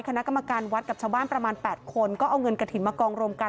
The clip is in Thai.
คณะกรรมการวัดกับชาวบ้านประมาณ๘คนก็เอาเงินกระถิ่นมากองรวมกัน